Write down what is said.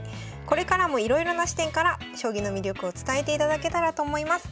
これからもいろいろな視点から将棋の魅力を伝えていただけたらと思います。